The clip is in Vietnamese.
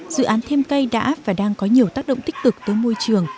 dự án thêm cây đã và đang có nhiều tác động tích cực tới môi trường